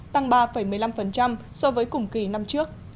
tăng ba một mươi năm so với cùng kỳ năm trước